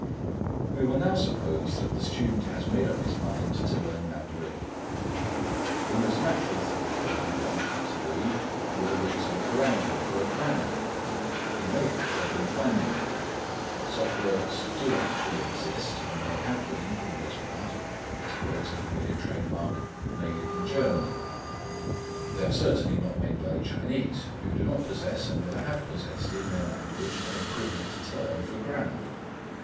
We will now suppose that the student has made up his mind to learn Mandarin. The most natural thing for him, then, to do will be to look around him for a grammar. He may have trouble in finding one. Such works do actually exist, and they have been, for the most part, to quote a familiar trade mark, "made in Germany." They are certainly not made by the Chinese, who do not possess, and never have possessed, in their language, an equivalent term for grammar.